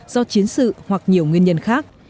do chiến sự hoặc nhiều nguyên nhân khác